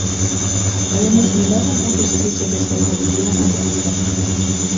Але мы ж не можам абысціся без свайго любімага дыска.